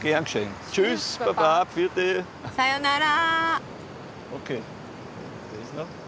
さよなら。